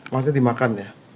maksudnya dimakan ya